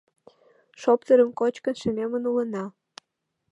Шоптырым кочкын шемемын улына.